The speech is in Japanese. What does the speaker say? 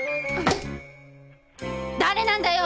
誰なんだよ！